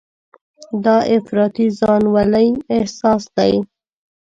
دا افراطي ځانولۍ احساس دی.